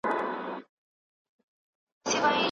د ټولنيزو ځواکونو اړيکي په اسانۍ نه شلېږي.